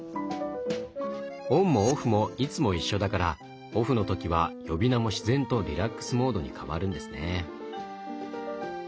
オンもオフもいつも一緒だからオフの時は呼び名も自然とリラックスモードに変わるんですね。